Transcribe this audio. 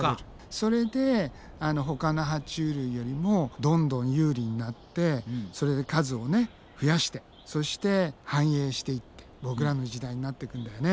それでほかのは虫類よりもどんどん有利になってそれで数を増やしてそして繁栄していってボクらの時代になっていくんだよね。